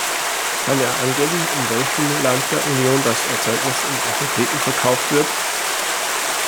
Kann er angeben, in welchem Land der Union das Erzeugnis in Apotheken verkauft wird?